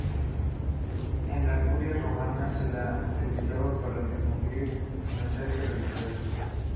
En la curia romana se la utilizaba para difundir su mensaje religioso.